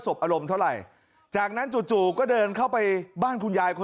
บอารมณ์เท่าไหร่จากนั้นจู่จู่ก็เดินเข้าไปบ้านคุณยายคน